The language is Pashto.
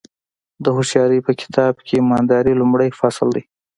د هوښیارۍ په کتاب کې ایمانداري لومړی فصل دی.